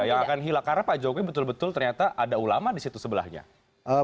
yang akan hilang karena pak jokowi betul betul ternyata ada ulama di situ sebelahnya